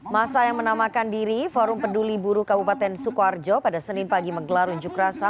masa yang menamakan diri forum peduli buruh kabupaten sukoharjo pada senin pagi menggelar unjuk rasa